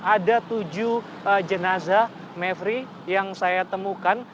ada tujuh jenazah mevri yang saya temukan